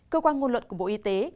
cơ quan ngôn luận của bộ y tế